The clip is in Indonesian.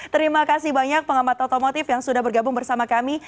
terima kasih banyak pengamat otomotif yang sudah bergabung bersama kami